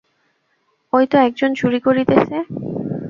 ঐ তো একজন চুরি করিতেছে।